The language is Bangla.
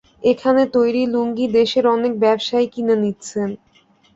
এখানে তৈরি লুঙ্গি দেশের অনেক ব্যবসায়ী কিনে নিচ্ছেন।